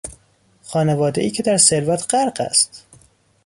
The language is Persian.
خانوادهای که در ثروت غرق است